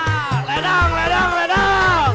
ya ledang ledang ledang